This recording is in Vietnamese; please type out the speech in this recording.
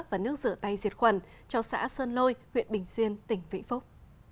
và nước rửa tay diệt khuẩn cho xã sơn lôi huyện bình xuyên tỉnh vĩnh phúc